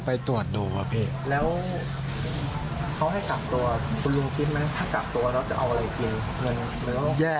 แย่ครับตรงนี้แย่